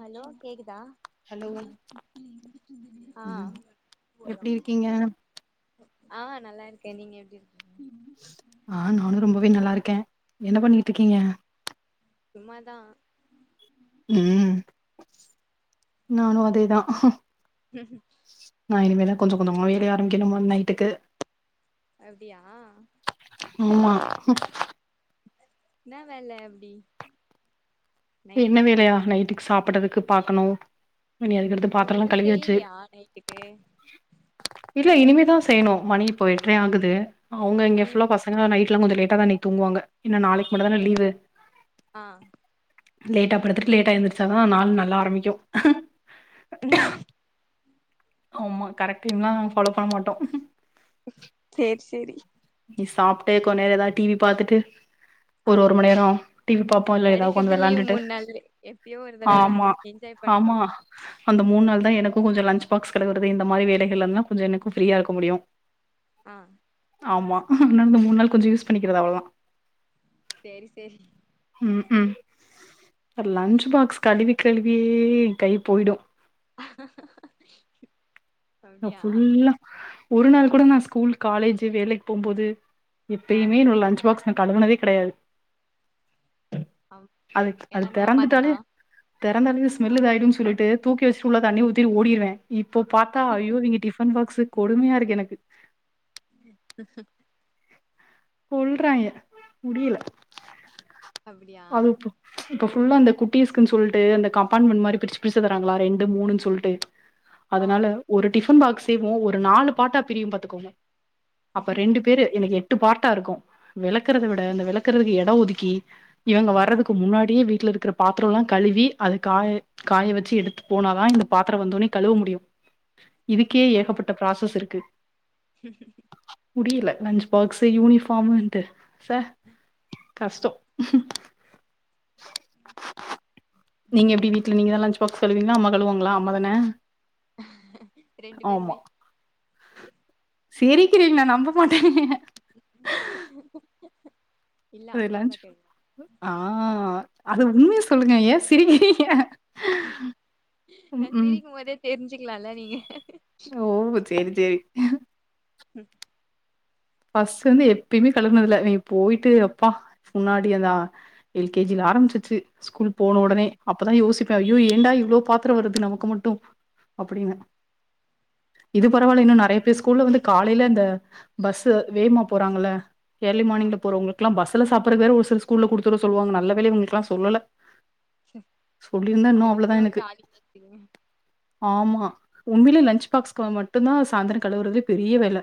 Hello கேக்குதா hello ஆ ம் எப்டி இருக்கீங்க ஆ நல்லா இருக்கே நீங்க எப்டி இருக் ஆ நானு ரொம்பவே நல்லாருக்கே என்ன பண்ணிட்டுருக்கீங்க சும்மாதா ம் நானு அதே தா ம் நா இனிமேதா கொஞ்ச கொஞ்சமா வேலய ஆரம்பிக்கனு மேம் நைட்டுக்கு அப்டியா ஆமா என்னா வேல அப்டி என்ன நைட்ல வேலயா நைட்டுக்கு சாப்படறதுக்கு பாக்கணு இனி அதுக்கடுத்து ஓ பாத்தரலா இன்னு கழுவியாச்சி செய்லியா நைட்டுக்கு இல்ல இனிமே தா செய்யனும் மணி இப்ப எட்றயாகுது அவுங்க இங்க ம் ஃபுல்லா பசங் அதனால நைட்லா கொஞ்ச லேட்ட தா இன்னிக்கு தூங்கு வாங்க ஏனா நாளைக்கு மட்டுதான லீவு ஆ லேட்டா படுத்துட்டு லேட்டா எழுந்திருச்சா தா நாள் நல்லா ஆரம்பிக்கு ம் ஆமா கரட் டைம்லா நாங்க ஃபாலோ மாட்டோம் சேரி சேரி நீ சாப்ட்டு கொஞ் நேர எதா டிவி பாத்துட்டு ஆ ஒரு ஒரு மணி நேரம் டிவி பாப்போம் இல்ல எதாவ் உக்காந்து கெடைக்கறது லீவ் வெளாண்டுட்டு மூணு நாளு எப்பயோ ஒரு தடவதா ஆமா என்ஜாய் பண்ட்டோ ஆமா அந்த மூணு நாள்தா எனக்கும் கொஞ்சம் லன்ச் பாக்ஸ் கழுவறது இந்த மாரி வேலைகள் இருந்துலா கொஞ்சம் எனக்கும் ஃபிரியா இருக்க முடியும் ஆ ஆமா இன்னு இந்த மூண் நாள் கொஞ்சம் யூஸ் பண்ணிக்கிறது அவ்ளோதா செரி செரி ம் க்கு லன்ச் பாக்ஸ் கழுவி கழுவியே கை போயிடும் அஹ அஹ நான் ஃபுல்லா ஒரு நாள் கூட நா ஸ்கூல் காலேஜி வேலைக்கு போம்போது ஆ இப்பயுமே என்னோட ல்ன்ச் பாக்ஸ் நா கழுவனதே கெடையாது அம் அது அது எல்லாமே அம்மா தெறந்துட்டாலே தானா தெறந்தாலே ஸ்மெல் இதாயிடும் சொல்லிட்டு தூக்கி வச்சிட்டு உள்ள தண்ணி ஊத்திட்டு ஓடிருவன் இப்போ பாத் தா ஐயோ இவங்க டிஃபன் பாக்ஸ் கொடுமையா இருக்கு எனக்கு உம் உம் கொல்றாங்கே முடியல அப்டியா அதும் இப்போ இப்ப ஃபுல்லா அந்த குட்டீஸ்குன் சொல்ட்டு அந்த கம்பாண்ட்மன் மாரி பிரிச்சி பிரிச்சி தராங்களா ரெண்டு மூணுன் சொல்ட்டு [inaudible] [inaudible] அதனால ஒரு டிஃபன் பாக்ஸயமு ஒரு நாலு பாட்டா பிரியும் பாத்துக்கோங்க அப்ப ரெண்டு பேரு எனக்கு எ ட்டு பார்ட்டா இருக்கும் வெளக்கறத இந்த வெளக்கறதுக்கு எடம் ஒதுக்கி இவங்க வறதுக்கு முன்னாடி வீட்ல இருக்கற பாத்திரலாம் கழுவி அது காய காய வச்சி எடுத்து போனாதா இந்த பாத்திரம் வந்த ஒன்னே கழுவ முடியும் இதுக்கே ஏகப்பட்ட பிராசஸ் இருக்கு உம் உம் ம் முடியில லன்ச்சி பாக்ஸ்ஸு யூனிபார்முன்ட்டு ச கஷ்டம் உம் உம் நீங்க எப்டி வீட்ல நீங்க தா லன்ச் பாக்ஸ் கழுவீங்கள அம்மா கழுவாங்களா அம்மா தான ரெண்டு ஆமா. பேருமே சிரிக்கிறீங்க நா நம்ப மாட்டே [inaudible] இல்ல அது லன்ச் அம்மாதா கேட்டே ஆ அது உண்மைய சொல்லுங்க ஏ சிரிகிரிங்க நா சிரிக்கும்பதே தெரிஞ்சுக்கலால நீங்க ஓ செரி செரி உம் ஃபஸ்லேந்து எப்பேய்மே கலர்னது இல்ல நீ போயிட்டு எப்பா முன்னாடி அந்தா எல கேஜி ஆரம்மிச்சிச்சு ஸ்கூல் போன ஒடனே அப் அப்பதா யோசிப்ப ஐயோ ஏண்டா இவ்ளோ பாத்தர வருது நமக்கு மட்டு அப்டின்னு இது ஆ பரவால்ல இன்னு நறைய பேர் ஸ்கூல்ல வந்து காலைல இந்த பஸ் சு ம் வேமா போறாங்கள எர்லி ஆ மார்னிங்ல போறவங் க்லா பஸ்சுல சாப்பறக் ஒரு சில ஸ்கூல்ல குடுத்துட சொல்லுவாங்க நல்ல வேல இவங்களுக்கலா சொல்ல சொல்லி இருந்தா இன்னு அது அவ்ளோதா வரையு எனக்கு ஜாலியா இருந்துக்குங்க ஆமா உண்மலே லஞச் பாக்ஸ்குள்ள மட்டு தா சாயந்தர கலவுரதுலயே பெரிய வேல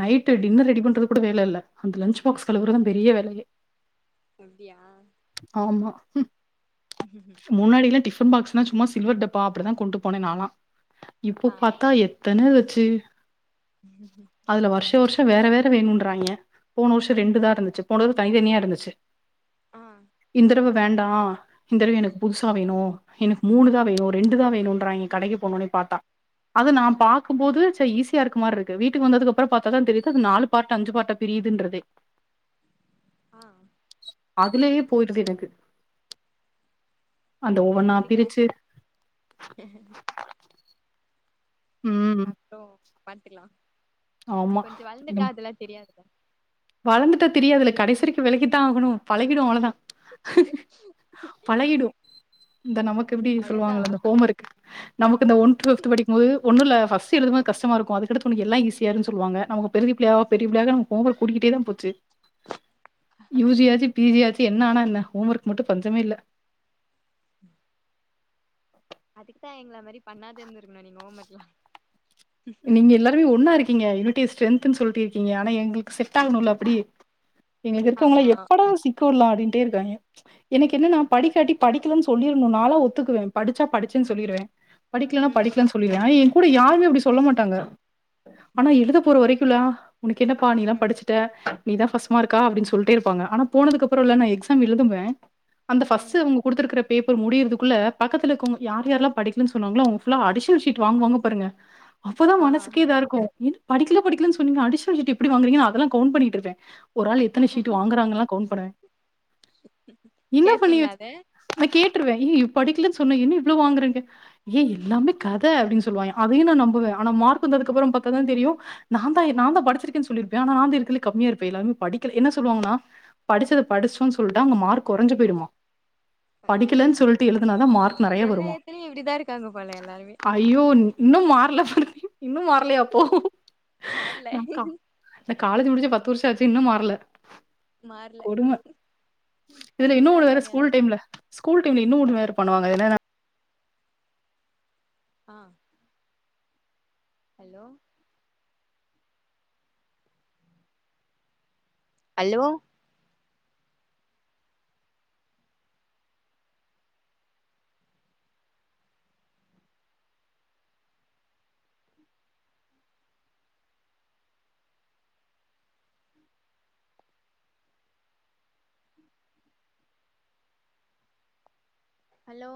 நை ட்டு டின்னர் ரெடி பண்றது கூட வேல இல்ல அந்த லஞச் பாக்ஸ் கலவுற தா பெரிய வேலயே அப்டியா ஆமா [inaudible] முன்னாடில்லா டிஃபன் பாக்ஸ்னா சும்மா சில்வர்டப்பா அப்டிதா கொண்டு போனே நாலா இப்ப ஆ பாத்தா தனேதச்சி அதுல வர்ஷ் வேற வேற வேணுன்றாங்க போன வருஷோ ரெண்டுதா இருந்துச்சு போனது தனித்தனியா இருந்துச்சு ஆ இந்தடவ வேண்டா இந்தடவு எனக்கு புதுசா வேணு எனக்கு மூணுதா வேணு ரெண்டு தா வேணுன்றாய்ங்க கடைக்கு போனேனே பாத்தா அது நா பாக்கும்போது ச ஈசியா இருக்கற மாரி இருக்கு வீட்டுக்கு வந்ததுகப்பறம் பாத்தாதா தெரி தது நாலு பார்ட்டு அஞ்சு பார்ட்டா பிரியிதின்றதே ஆ அதுலேயே போய்ருது எனக்கு அந்த சேரி ஒவ்வொன்னா விடுங்க பிரிச்சு ம் அப்றோ பாத்துக்லா ஆமா கொஞ்ச வளந்துட்டா அதெல்லா தெரியாதுல வளந்துட்டா தெரியாதுல்ல கடைசி வரைக்கு விலகிதா ஆகணு பழகிடு அவ்ளோதா பழகிடு இந்த நமக்கு எப்டி அவ்ளோதா சொல்லுவாங்கள இந்த ஹோம் ஒர்க்கு நமக்கு இந்த ஒண் ஃப்த் படிக்கும் போது ஒண்ணுல்ல ஃபஸ்ட் எழுதும் போது கஷ்டமா இருக்கு அதுக்கடுத்து உனக்கு எல்லா ஈசியாரு சொல்லுவாங்க நமக்கு பெரிய பிள்ளையா ஆவ பெரிய பிள்ளையா ஆக [unintelligible] ஹோமர்க் கூடிக்கிட்டே தா போச்சு யுஜி ஆச்சு பிஜி ஆச் என்ன ஆனா என்ன ஹோம் ஒர்க் மட்டு பஞ்சமே இல்ல உம் அதுக்குதா எங்கள மாரி பண்ணாதுதிர்ந்கனு னனி ஹோமர்க்லா இங்க எல்லாருமே ஒன்னா இருக்கிங்க யூனிட்டி ஸ்ரென்த்ன் சொல்லிட்டு இருக்கீங்க ஆனா எங்ளுக் செட் ஆகணுல்ல அப்டி எங்களுக்கு இருக்கவங்களா ஆமா எப்படா சிக்க வுட்லா அப்டின்ட்டே இருக்காங்க எனக் என்னனா படிக்காட்டி படிக்கலன் சொல்லிருனு நாளா ஒத்துக்குவே படிச்சா படிச்சுன் சொல்லிருவே படிக்கலனா ம் படிக்கலன் சொல்லிருவ ஆனா ஏன் கூட யாருமே அப்டி சொல்ல மாட்டாங்க ஆனா எழுத போற வரைக் குலா உனக்கு என்னப்பா நீ எல்லா ம் படிச்சிட்ட நீ தா ஃபஸ்ட் மார்க்கா அப்டி சொல்ட்டே இருப்பாங்க ஆனா போனதுக்கப்றோல்ல எக்ஸாம் எழுதுவ அந்த ம் ஃபஸ்ட்டு குடுத்துர்க்கற பேப்பர் முடியிற்துக்குள்ள பக்கத்துல்ல இருகவுங்க யார் யாரல்லா படிக்கலன் சொன்னாங்ளோ அவுங்க ஃபுல்லா அடிஷல் ஷீட் வாங்குவங்க பாருங்க அப்பதா ஆ மனசக்கே இதாருக்கு என்ன படிக்கல பக்கலன் சொன்னீங்க அடிஷ்னல் ஷீட்டு வாங்குறங்கன்னா அதால்லா கவுண்ட் பண்ணிட்டுருப்பே ஒரு ஆள் எத்தன ஷிட்டு வாங்குறாங்கல்லா கவுண்ட் பண்ணுவ என்ன பண்ணி கேப்பீங்களா வச் அத நா கேட்டுருவே ஏய் படிக்கலன் சொன்ன என்ன இவ்ளோ வாங்றிங்க ஏ எல்லாமே கத அப்டின் சொல்லுவாய்ங்க அதையு நா நம்புவ ஆனா மார்க் வந்ததுக்கப்பறம் பாத்தா தா தெரியு நா தா எ நாந்தா படிச்சிருக்கேன் சொல்லிருப்பே ஆனா நா வந்து இருக்கலே கம்மியா இருப்பே எல்லாரு படிக்கல என்ன சொல்லுவாங்கனா என்னல்லுவாங்கன்னா படிச்சது படிச்சோன் சொல்ட்டா அங்க மார்க் கொறஞ்சு போயிடுமா ஐயோ படிக்கலன் சொல்ட்டு எழுதுனா தா மார்க் நறைய எல்லா வருமா எடத்துலயு இப்டிதா இருக்காங்க போல எல்லாருமே அ ஐயோ இன் இன்னு மாறல இன்னு மாறலையா அப்போ மாறல நா கா இந்த காலஜ் முடிச்சு பத்து வருஷ ஆச்சு இன்னும் மாறல மாறல கொடும இதுல இன்னு அப்டியேதா ஒன்னு வேற இருக்காங்க ஸ்கூல் எல்லாரு டைம்ல ஸ்கூல் டைம்ல இன்னு ஒன்னு வேற பண்ணுவாங்க என்னனா ஆ அலோ அலோ [unintelligible] ஹலோ